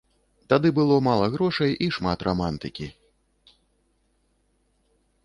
Тады было мала грошай і шмат рамантыкі.